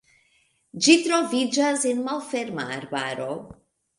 Ĝi troviĝas en malferma arbaro.